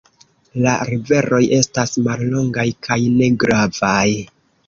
La riveroj estas mallongaj kaj ne gravaj.